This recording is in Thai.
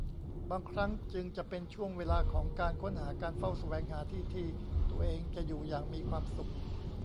บางครั้งจึงจะเป็นช่วงเวลาของการค้นหา การเฝ้าแสวงหาที่ที่ตัวเองจะอยู่อย่างมีความสุข